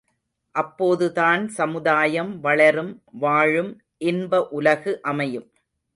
அப்போதுதான் சமுதாயம் வளரும் வாழும் இன்பஉலகு அமையும்.